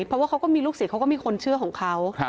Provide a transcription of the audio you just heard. เพราะว่าเขาก็มีลูกศิษย์เขาก็มีคนเชื่อของเขา